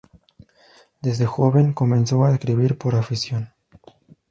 Desde joven comenzó a escribir por afición.